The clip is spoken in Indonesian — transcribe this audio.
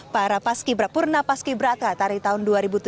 para paski brakalain purna paski brakalain dari tahun dua ribu tujuh belas